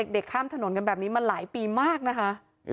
เด็กข้ามถนนกันแบบนี้มาหลายปีมากนะคะ